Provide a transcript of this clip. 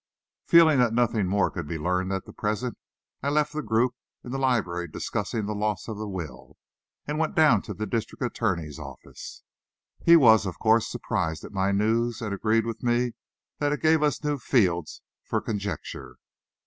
Feeling that nothing more could be learned at present, I left the group in the library discussing the loss of the will, and went down to the district attorney's office. He was, of course, surprised at my news, and agreed with me that it gave us new fields for conjecture.